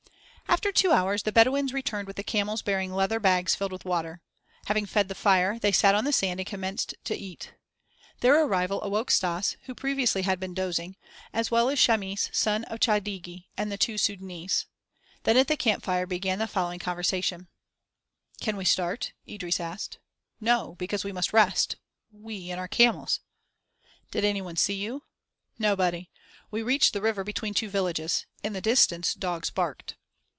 After two hours the Bedouins returned with the camels bearing leather bags filled with water. Having fed the fire, they sat on the sand and commenced to eat. Their arrival awoke Stas, who previously had been dozing, as well as Chamis, son of Chadigi, and the two Sudânese. Then at the camp fire began the following conversation: "Can we start?" Idris asked. "No, because we must rest; we and our camels." "Did any one see you?" "Nobody. We reached the river between two villages. In the distance dogs barked."